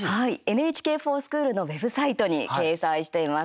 「ＮＨＫｆｏｒＳｃｈｏｏｌ」のウェブサイトに掲載しています。